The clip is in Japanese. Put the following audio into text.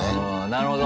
なるほど。